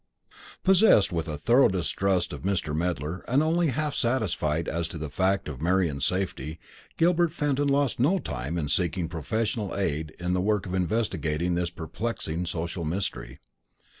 Possessed with a thorough distrust of Mr. Medler and only half satisfied as to the fact of Marian's safety, Gilbert Fenton lost no time in seeking professional aid in the work of investigating this perplexing social mystery.